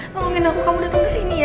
tolongin aku kamu datang ke sini ya